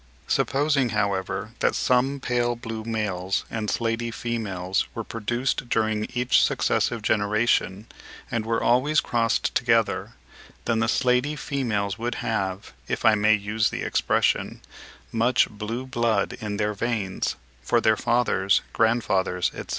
Supposing, however, that some pale blue males and slaty females were produced during each successive generation, and were always crossed together, then the slaty females would have, if I may use the expression, much blue blood in their veins, for their fathers, grandfathers, etc.